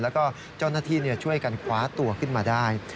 แล้วก็เจ้าหน้าที่ช่วยกันคว้าตัวขึ้นมาได้